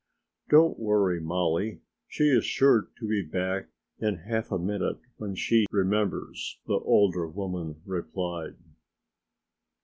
"Don't worry, Mollie, she is sure to be back in half a minute when she remembers," the older woman replied.